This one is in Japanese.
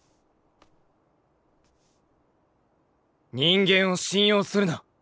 人間を信用するな。